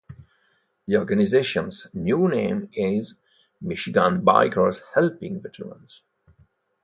The organization's new name is Michigan Bikers Helping Veterans.